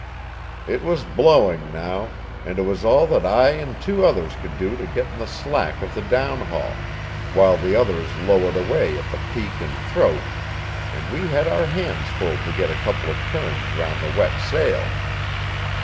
It was blowing now, and it was all that I and two others could do to get in the slack of the downhaul, while the others lowered away at the peak and throat, and we had our hands full to get a couple of turns round the wet sail.